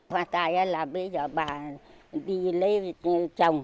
và tại là bây giờ bà đi lê chồng